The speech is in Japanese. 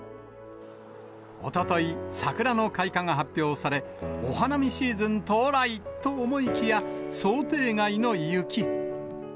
おととい、桜の開花が発表され、お花見シーズン到来と思いきや、想定外の雪。